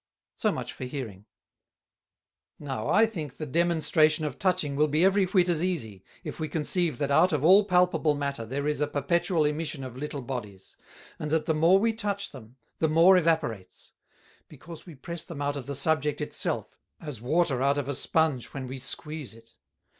So much for Hearing. "Now, I think the Demonstration of Touching will be every whit as easie, if we conceive that out of all palpable Matter there is a perpetual Emission of little Bodies, and that the more we touch them, the more evaporates; because we press them out of the Subject it self, as Water out of a Sponge when we squeez it.